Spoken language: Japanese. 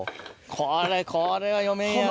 これこれは読めんやろ。